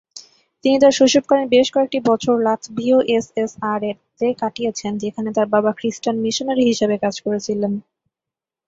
তিনি তার শৈশবকালীন বেশ কয়েকটি বছর লাত্ভীয় এসএসআর-তে কাটিয়েছেন, যেখানে তাঁর বাবা খ্রিস্টান মিশনারি হিসাবে কাজ করেছিলেন।